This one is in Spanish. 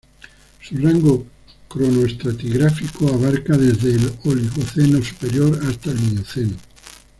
Su rango cronoestratigráfico abarca desde el Oligoceno superior hasta el Mioceno.